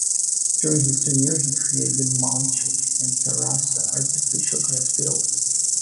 During his tenure he created the Montjuïc and Terrassa artificial grass fields.